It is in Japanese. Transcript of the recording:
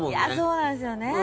そうなんですよね。